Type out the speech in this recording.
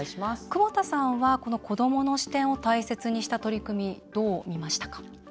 久保田さんはこの子どもの視点を大切にした取り組みどう見ましたか？